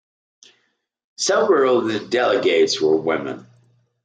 Several of the delegates were women.